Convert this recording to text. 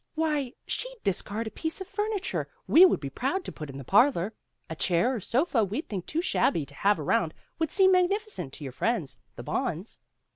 Why, she'd discard a piece of furniture we would be proud to put in the parlor. A chair or 'sofa we'd think too shabby to have around would seem magnificent to your friends, the Bonds."